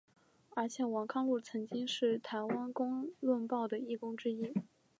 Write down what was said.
而且王康陆曾经是台湾公论报的义工之一。